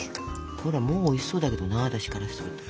ほらもうおいしそうだけどな私からすると。